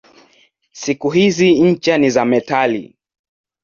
Siku hizi ncha ni za metali.